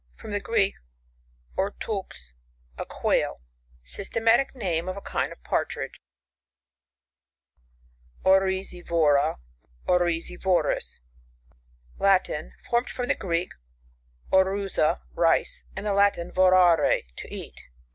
— From the Greek, ortMx^ a quail. Systematic name of a kind of Partridge. {Latin. Formed from the Greek, oruza, rice, and the Latin, vorare^ to eat.